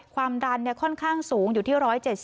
ความดันค่อนข้างสูงอยู่ที่๑๗๐